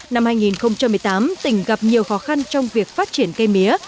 năm hai nghìn một mươi tám tỉnh gặp nhiều khó khăn trong việc phát triển cây mía